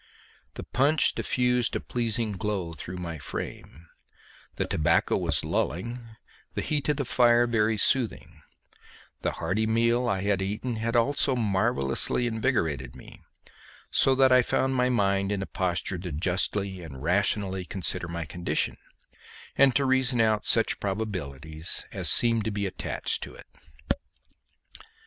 The punch diffused a pleasing glow through my frame, the tobacco was lulling, the heat of the fire very soothing, the hearty meal I had eaten had also marvellously invigorated me, so that I found my mind in a posture to justly and rationally consider my condition, and to reason out such probabilities as seemed to be attached to it.